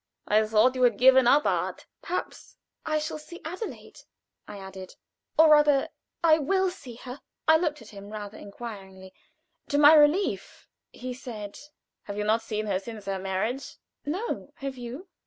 "I thought you had given up art." "Perhaps I shall see Adelaide," I added; "or, rather, I will see her." I looked at him rather inquiringly. To my relief he said: "Have you not seen her since her marriage?" "No; have you?"